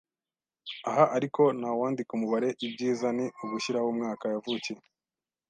Aha ariko ntawandika umubare ibyiza ni ugushyiraho umwaka yavukiye